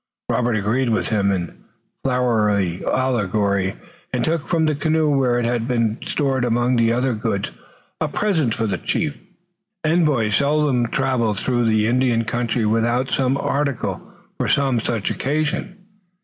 Robert agreed with him in flowery allegory and took from the canoe where it had been stored among their other goods a present for the chief envoys seldom traveled through the Indian country without some such article for some such occasion.